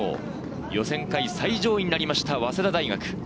予選会最上位になりました、早稲田大学。